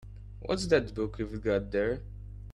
What's that book you've got there?